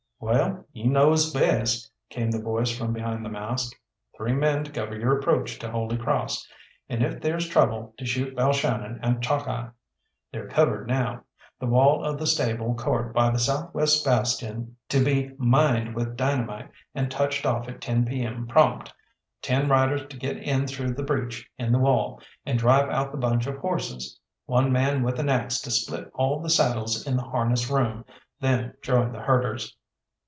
"Well, you knows best," came the voice from behind the mask. "Three men to cover your approach to Holy Cross, and if there's trouble, to shoot Balshannon and Chalkeye. They're covered now. The wall of the stable court by the South west Bastion to be mined with dynamite, and touched off at ten p. m. prompt; ten riders to get in through the breach in the wall, and drive out the bunch of horses; one man with an axe to split all the saddles in the harness room, then join the herders."